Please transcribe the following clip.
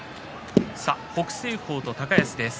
北青鵬と高安です。